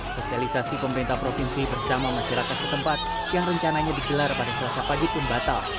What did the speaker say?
sosialisasi pemerintah provinsi bersama masyarakat setempat yang rencananya digelar pada selasa pagi pun batal